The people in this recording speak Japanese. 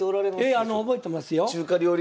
ええ覚えてますよ。